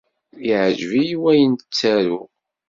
Iɛjeb-iyi wayen ttaruɣ.